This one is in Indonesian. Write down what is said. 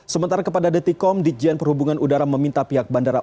sementara kepada dtkom dgn perhubungan udara meminta pihak bandara